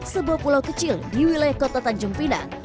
sebuah pulau kecil di wilayah kota tanjung pinang